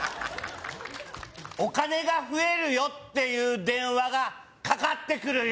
「お金が増えるよ」っていう電話がかかってくるよ